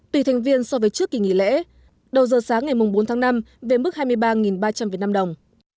tùy thành viên so với trước kỳ nghỉ lễ đầu giờ sáng ngày bốn tháng năm về mức hai mươi ba ba trăm linh việt nam đồng